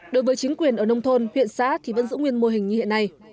đối với chính quyền ở nông thôn huyện xã thì vẫn giữ nguyên mô hình như hiện nay